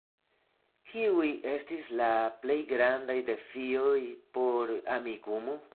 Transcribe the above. Kiuj estis la plej grandaj defioj por Amikumu?